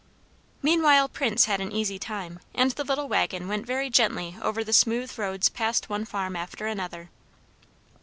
Meanwhile Prince had an easy time; and the little waggon went very gently over the smooth roads past one farm after another.